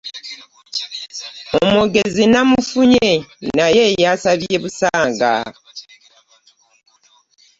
Omwogezi namufunye naye yasabye busanga.